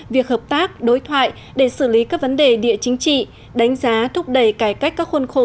việc hợp tác đối thoại để xử lý các vấn đề địa chính trị đánh giá thúc đẩy cải cách các khuôn khổ